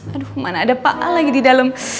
aduh mana ada pak al lagi di dalem